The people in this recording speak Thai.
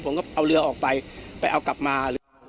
ผมก็เอาเรือออกไปไปเอากลับมา